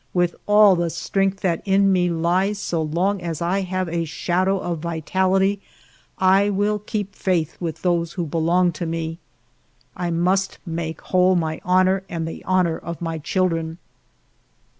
With all the strength that in me lies, so long as I have a shadow of vitality I will keep faith with those who belong to me. I must make whole my honor and the honor of my children.